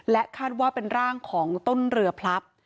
คาดว่าเป็นร่างของต้นเรือพลับ